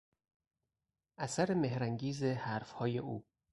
اثر مهرانگیز حرفهای او